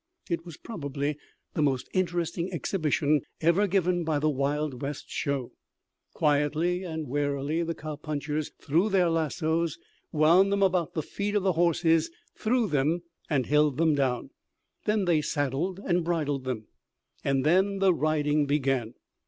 It was probably the most interesting exhibition ever given by the Wild West Show. Quietly and warily the cow punchers threw their lassoes, wound them about the feet of the horses, threw them, and held them down. Then they saddled and bridled them, and then the riding began.